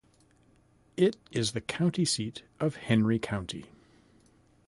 It is the county seat of Henry County.